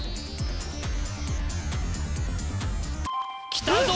きたぞ！